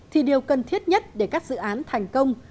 thì điều cần thiết nhất để các dự án thành công